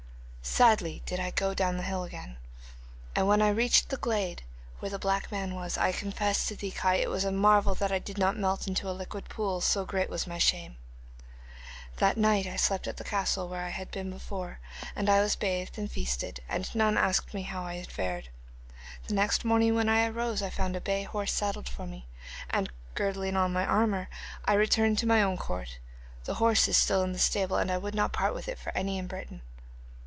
'Sadly did I go down the hill again, and when I reached the glade where the black man was, I confess to thee, Kai, it was a marvel that I did not melt into a liquid pool, so great was my shame. That night I slept at the castle where I had been before, and I was bathed and feasted, and none asked me how I had fared. The next morning when I arose I found a bay horse saddled for me, and, girdling on my armour, I returned to my own court. The horse is still in the stable, and I would not part with it for any in Britain.